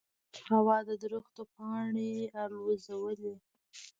هوا د درختو پاڼې الوزولې.